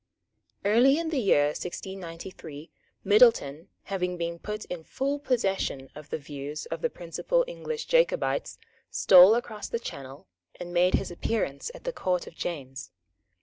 Early in the year 1693, Middleton, having been put in full possession of the views of the principal English Jacobites, stole across the Channel, and made his appearance at the Court of James.